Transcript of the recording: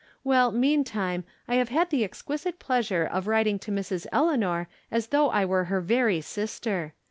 Well, meantime, I have had the. exquisite pleasure of writing to Mrs. Eleanor as though I were her very sister.